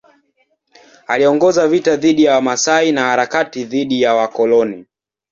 Aliongoza vita dhidi ya Wamasai na harakati dhidi ya wakoloni.